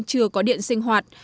chưa có điện sinh hoạt